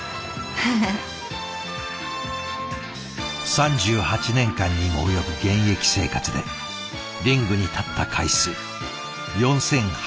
３８年間にも及ぶ現役生活でリングに立った回数４，８２０。